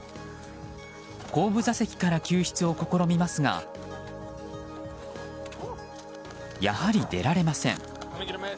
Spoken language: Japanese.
後部座席から救出を試みますがやはり出られません。